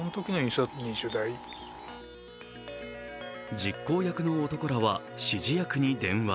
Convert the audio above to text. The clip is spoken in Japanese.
実行役の男らは指示役に電話。